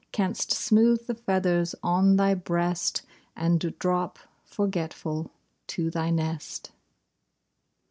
Canst smooth the feathers on thy breast, And drop, forgetful, to thy nest.